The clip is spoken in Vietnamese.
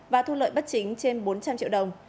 và thu lợi bất chính trên bốn trăm linh triệu đồng